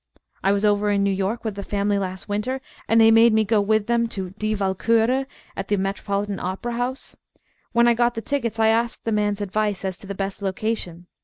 I was over in New York with the family last winter, and they made me go with them to Die Walkure at the Metropolitan Opera House. When I got the tickets I asked the man's advice as to the best location.